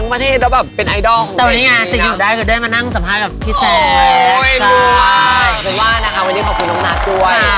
นักเปล่าชนชำ